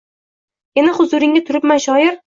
Yana huzuringda turibman, shoir